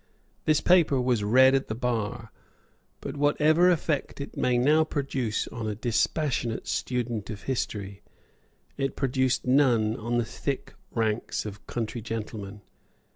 This paper was read at the bar; but, whatever effect it may now produce on a dispassionate student of history, it produced none on the thick ranks of country gentlemen.